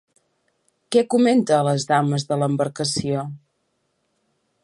Què comenta a les dames de l'embarcació?